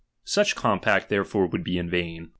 Such compact therefore would be in vain.